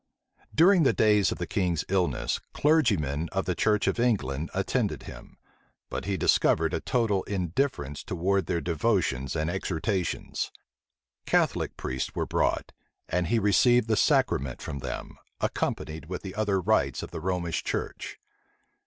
During the few days of the king's illness, clergymen of the church of England attended him; but he discovered a total indifference towards their devotions and exhortations. Catholic priests were brought, and he received the sacrament from them, accompanied with the other rites of the Romish church.